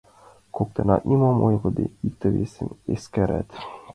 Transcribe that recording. Коктынат, нимом ойлыде, икте-весым эскерат.